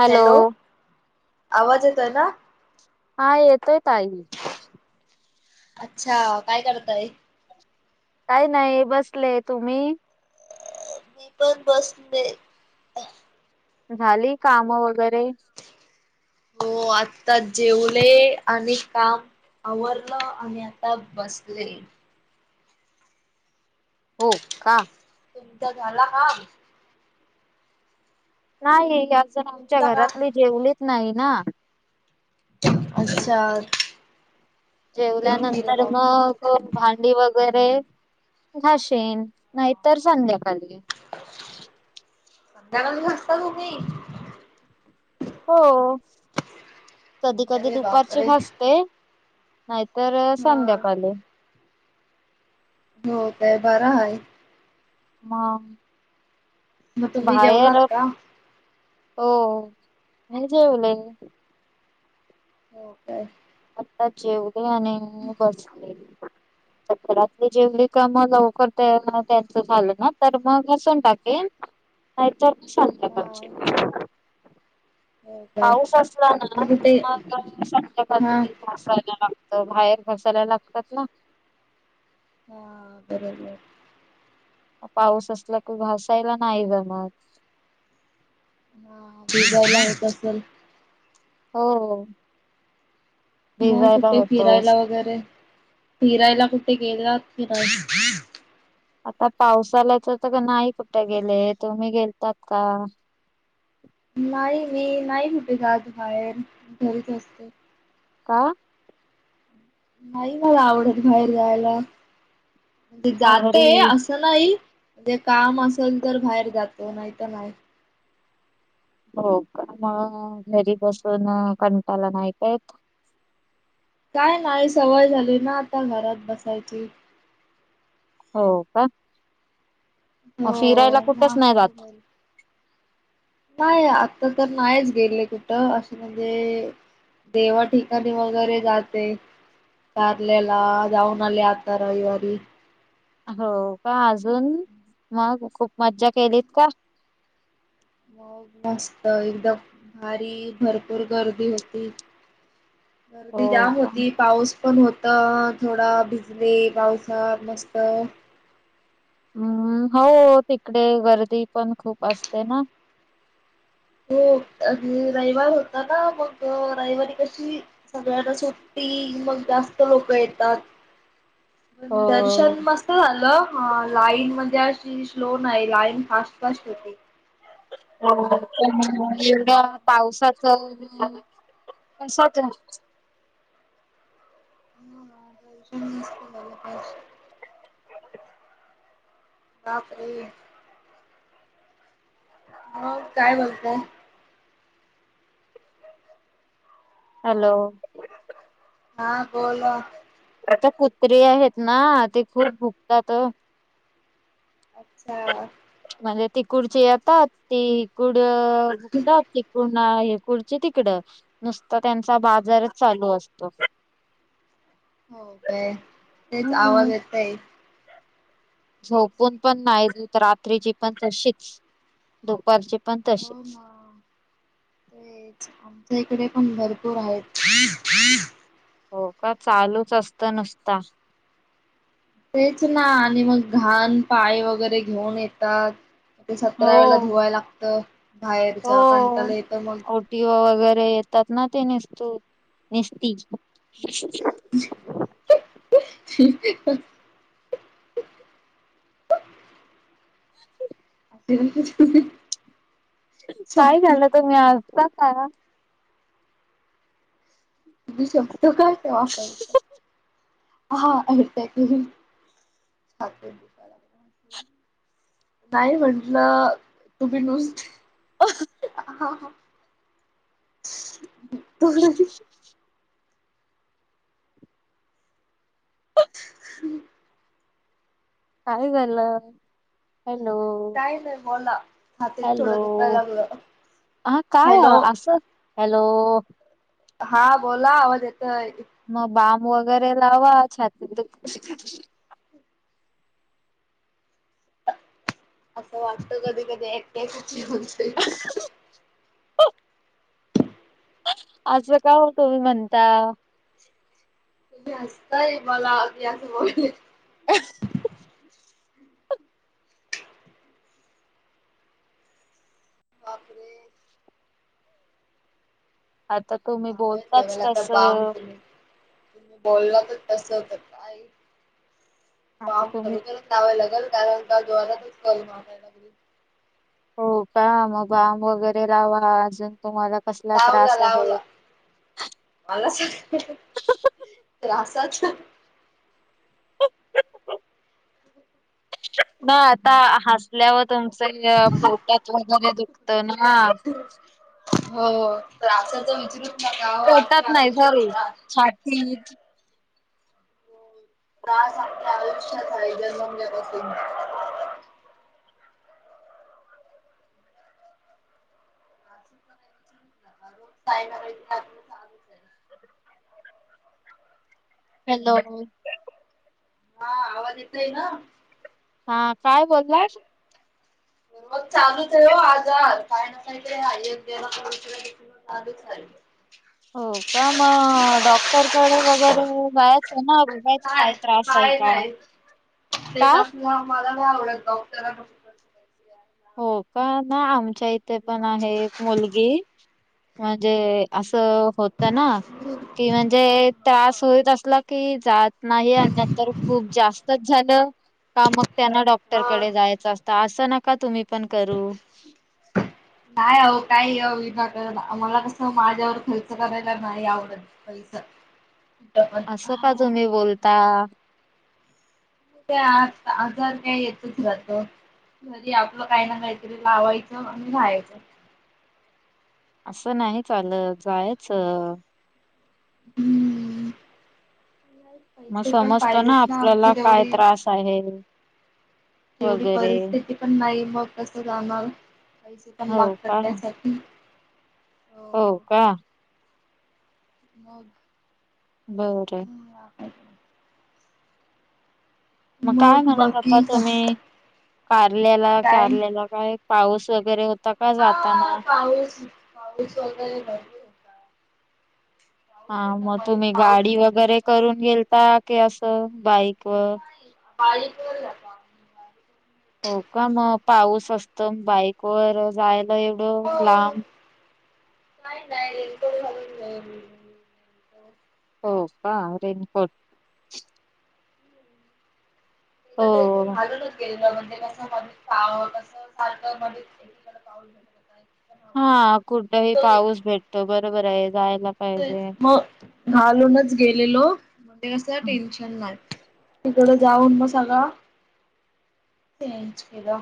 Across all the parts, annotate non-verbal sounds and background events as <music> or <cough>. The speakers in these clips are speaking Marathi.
हॅलो! आवाज येतोय ना.. हा येतोय ताई.. अच्छा! काय करताय? काय नाय बसले. तुम्ही? मी पण बसले.. झाली कामं वगैरे हो आत्ताच जेवले आणि काम आवरलं आणि आता बसले हो का? तुमचा झाला काम? नाही अजून आमच्या तुमचा का घरातले जेवलीत नाही ना.. अच्छा! कधी जेवतील जेवल्यानंतर मग हो भांडी वगेरे घाशीण, नाहीतर संध्याकाली संध्याकाली घासता तुम्ही? हो कधी कधी अरे दुपारची बापरे घासते.. नाहीतर हा संध्याकाली हो काय बरं हाय.. मंग मग तुम्ही जेवलात बाहेर का हो.. मी जेवले.. हो काय? आत्ता जेवले आणि बसले.. आता घरातली जेवली का मग लवकर ते आणि त्यांचं झालं ना तर मग घासून टाकीन.. नाहीतर हा संध्याकाळची. हो काय पाऊस असला ना मग कि कुठे आ हा संध्याकाळी <unintelligible> तर बाहेर बसायला लागतात ना.. हा बरोबर.. पाऊस असला कि घासायला नाही जमत.. <unintelligible> हो... मग भिजायला कुठे होतच फिरायला वगैरे? फिरायला कुठे गेला फि आता पावसाला तर नाही कुठे गेले. तुम्ही गेलतात का? नाही मी नाही कुठे जात बाहेर. घरीच असते. का? नाही मला आवडत बाहेर जायला, मी मग जाते घरी अस चल आई, म्हणजे काम असल तर बाहेर जातो नाही तर नाही. हो का, मग घरी बसून अ कंटाला नाही का येत? काय नाही, सवय झाली ना आता घरात बसायची. हो का, मग फिरायला हो कुठेच नाही जात? मस्त नाही, आता तर नाहीच गेले कुठं अशी म्हणजे देवा ठिकाणी वगैरे जाते. कार्ल्याला जाऊन आले आता रविवारी. हो का, अजून मग खूप मज्जा केलीत का? हो, मस्त एकदम भारी भरपूर गर्दी होती. गर्दी हो जाम का? होती, पाऊस पण होता, थोडा भिजले पावसात मस्तं. हम्म, हो तिकडे गर्दी पण खूप असते ना. हो आणि रविवार होता ना मग अ रविवारी कशी सगळ्याला सुट्टी मग जास्त लोकं येतात. हो. पण दर्शन मस् त झालं, हा लाईन म्हणजे अशी स्लो नाही लाईन फास्ट फास्ट होती. हो पण एवढ्या पावसाचं <unintelligible> कशाचं? <unintelligible> बापरे! मग काय म्हणताय? हॅलो! हा बोला. हिथं कुत्री आहेत ना ते खूप भुकतात ओ. अच्छा. म्हणजे तिकुडची येतात, ते इकूड भुकतात. पुन्हा हिकुडची तिकडं, नुसता त्यांचा बाजारच चालू असतो. हो काय? तेच हम्म आवाज येतंय. झोपून पण नाही देत रात्रीची पण तशीच, दुपारची पण तशीच हो ना. तेच, आमच्या इकडे पण भरपूर आहेत. हो का? चालूच असतं नुसता. तेच ना आणि मग घाण पाय वगैरे घेऊन येतात. ते हो सतरा वेला धुवाय लागतं, बाहेरचा कंटाला येतं मग. ते वगैरे येतात ना ते निस्तु निस्ती <unintelligible> <inaudible> <unintelligible> काय शक्ती झालं, तुम्ही हसता का? तुम्ही शब्द काय बी वापरता. <inaudible> नाही म्हंटलं, तुम्ही नुसते <unintelligible> <unintelligible> काय झालं. हॅलो, काय नाही बोला छातीत थोडं हॅलो. दुखायला लागलं हा काय हॅलो असं, हॅलो. हा बोला आवाज येतोय. मग बाम वगैरे लावा, छातीत दुखतय तर. असं वाटत कधी कधी, एकट्याची जीव जाईल. <unintelligible> आस का हो, तुम्ही म्हणता. तुम्ही हासताय मला अग असं बघून. <unintelligible> बापरे. आता तुम्ही लावायच बोलताच लागेल आता बाम. तसं. तुम्ही बोलला तर तसं कर काय. आता काम तुम्ही करू तर <unintelligible> हो का. मग बाम वगैरे लावा, अजून तुम्हाला कसला लावला, त्रास आहे. लावला, मला तर असाच. ना आता हसल्यावर, तुमचे पोटात वगैरे दुखत ना. हो तर असं तर विचारूच नका हो, आख्या आयुष्यात छाती <unintelligible> रोज काय करायचं, आजून ना. चालूच आहे. हॅलो. हा, आवाज येतय ना. हा काय बोललात. मग चालूच हाय ओ आजार, काय ना काय तरी आहेच. चालूच आहे. हो का, मग डॉक्टरकडे वगैरे जायचं ना, बघायचं काही नाही त्रास आहे नाही का. नाही ते का तसल मला नाही आवडत डॉक्टरांना. हो का, ना आमच्या इथे पण आहे एक मुलगी. कि म्हणजे असं होत ना कि म्हणजे. त्रास हा. होईत असला की जात नाही आल तर खूप जास्तच झालं का मग, त्यांना हा. डॉक्टरकडे जायचं असतं. तर असं नका तुम्ही पण करू. <inaudible> नाही अवो काही विनाकारण, मला तसं माझ्यावर खर्च करायला नाही आवडत. पैसा. कुठं पण असं का तुम्ही बोलता. त्यात आजार काय येतो तो जातो. घरी आपलं काही ना काहीतरी लावायचं, आणि राहायचं. असं नाही चालत, जायाचं. हम्म. मग पैसे पण समजत ना पाहिजेत आमची आपल्याला काय तेवढी त्रास आहे. तेवढी वगैरे परिस्थिती पण नाही, मग कस जाणार पैसे पण हो लागतात का त्यासाठी. हो का. बोल. बरं. मग काय म्हणत होता बाकी का तुम्ही? पारलेला काय? कारलेला काय पाऊस वगैरे होता का हा जाताना पाऊस. पाऊस वगैरे भरपूर होता. हा पाऊस होता मग मध्ये तुम्ही पाऊस गाडी भेटत वगैरे होता. करून गेलता की, असं बाईक व बाईक वर जातो आम्ही. हो का. मग पाऊस असतं. बाईकवर जायला एवढं लांब. नाही नाही रेनकोट घालून जाईन. हो का. रेनकोट. आता हो तेथून घालूनच गेलेलो मग ते कस पहाव कस. सारखं मध्ये सगळीकडे पाऊसच होता. हा कुठही पाऊस भेटतो. बरोबर आहे जायला ते पाहिजे. मग घालूनच गेलेलो. म्हणजे कस टेन्शन नाही. तिकड जाऊन मग सगळ चेंज केलं.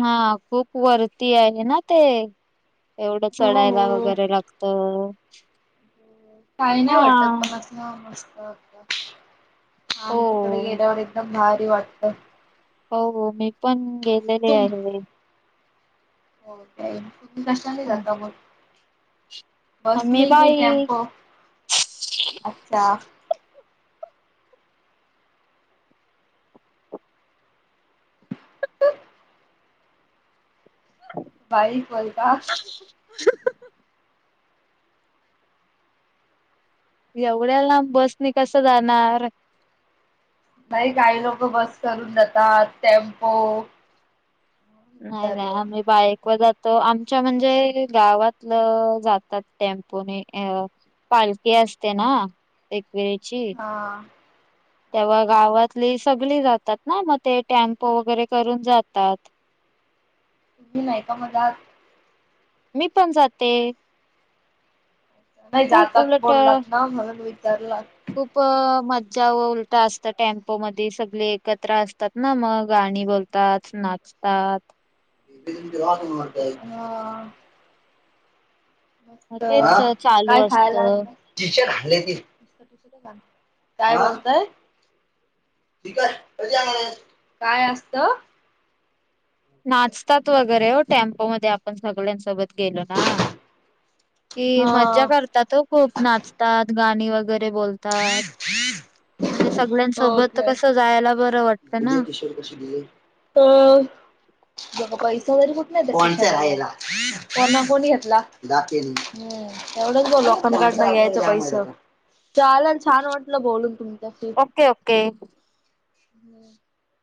हा खूप वरती आहे ना ते एवढं चढायला हो. वगैरे लागत. काही नाही वाटत. मस्त मस्त. हा मग तिकड हो गेल्यावर एकदम भारी वाटत. हो हो. मी पण गेलेली तुम आहे. हो का. तुम्ही कशाने हा, जाता मग? आम्ही बसने की बाईक टेम्पो? अच्छा. <unintelligible> बाईक वर का? <unintelligible> एवढ्या लांब बसने कस जाणार? नाही काही लोक बस करून जातात. टेम्पो नाही नाही विचारलं आम्ही बाईक वर जातो. आमच्या म्हणजे गावातलं जातात टेम्पोने ए अ पालखी असते ना एकविरेची. <inaudible> तेव्हा गावातली सगळी जातात ना. मग ते टॅम्पो वगैरे करून जातात. तुम्ही नाही का मग जात? मी पण जाते. नाही खूप जातात उलट बोललात ना म्हणून विचारल? खूप मज्जा व उलट असत टॅम्पो मध्ये सगळे एकत्र असतात ना मग गाणी बोलतात, नाचतात. तीन ग्लास म्हणून म्हणते. हा. मग तेच चालू काय खायला असतं. आणलं? चिचन खाल ते. काय बोलतय? चिकन. मजा हाय. काय असतं. नाचतात वगैरे हो. टेम्पो मध्ये आपण सगळ्यांसोबत गेलो ना. की हा मज्जा करतात हो खूप. नाचतात गाणी वगैरे बोल तात. म्हणजे सगळ्यांसोबत कस जायला ब उजे कुशीवर बसुदे. अ <unintelligible> <inaudible> तेवढंच भो लोकांकडनं घ्यायचं पैस. चालल छान वाटलं बोलून तुमच्याशी. Okay okay. हम्म.